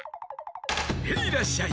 ヘイらっしゃい！